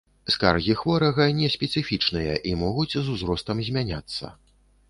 Скаргі хворага неспецыфічныя і могуць з узростам змяняцца.